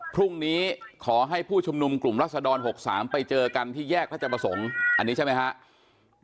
พรุ่งนี้ขอให้ผู้ชุมนุมกลุ่มรัศดร๖๓ไปเจอกันที่แยกพระเจ้าประสงค์อันนี้ใช่ไหมครับ